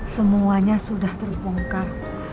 semuanya sudah terpongkar